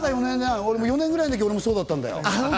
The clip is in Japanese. ４年ぐらいのとき、俺もそうだったんだよ。